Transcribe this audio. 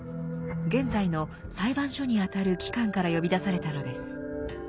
現在の裁判所にあたる機関から呼び出されたのです。